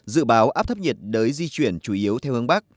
dự báo áp thấp nhiệt đới di chuyển chủ yếu theo hướng bắc